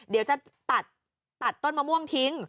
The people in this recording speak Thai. เดี๋ยวจะตัดต้นมะม่วงทิ้ง